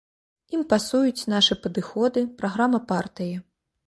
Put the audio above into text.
Ім пасуюць нашы падыходы, праграма партыі.